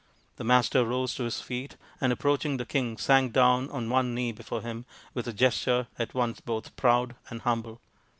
The Master rose to his feet and approaching the king sank down on one knee before him with a gesture at once both proud and humble.